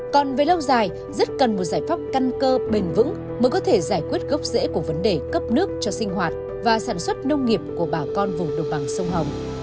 còn về lâu dài rất cần một giải pháp căn cơ bền vững mới có thể giải quyết gốc rễ của vấn đề cấp nước cho sinh hoạt và sản xuất nông nghiệp của bà con vùng đồng bằng sông hồng